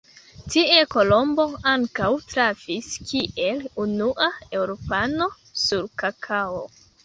Tie Kolombo ankaŭ trafis kiel unua eŭropano sur kakao.